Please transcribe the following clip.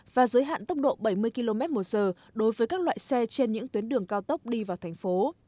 và giới hạn tốc độ bảy mươi km một giờ đối với các loại xe trên những tuyến đường cao tốc đi vào thành phố